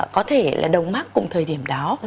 có thể là đồng mắc cùng thời điểm đó